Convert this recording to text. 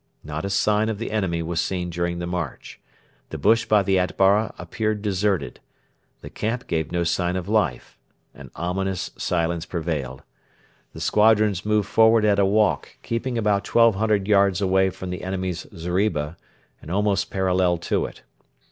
Not a sign of the enemy was seen during the march. The bush by the Atbara appeared deserted. The camp gave no sign of life; an ominous silence prevailed. The squadrons moved forward at a walk, keeping about 1,200 yards away from the enemy's zeriba and almost parallel to it.